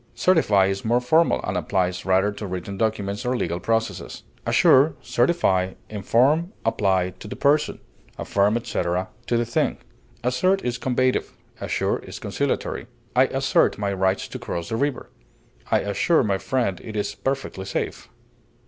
Certify is more formal, and applies rather to written documents or legal processes. Assure, certify, inform, apply to the person; affirm, etc., to the thing. Assert is combative; assure is conciliatory. I assert my right to cross the river; I assure my friend it is perfectly safe.